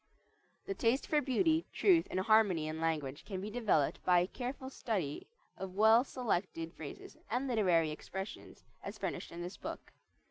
The taste for beauty, truth, and harmony in language can be developed by careful study of well selected phrases and literary expressions as furnished in this book.